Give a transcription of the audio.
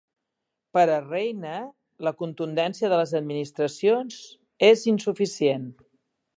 Per a Reina, la contundència de les administracions és insuficient.